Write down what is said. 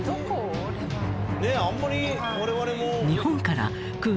ねえあんまり我々も。